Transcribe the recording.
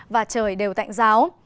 và trời đều tạnh giáo